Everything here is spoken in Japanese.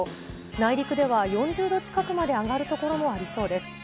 内陸では４０度近くまで上がる所もありそうです。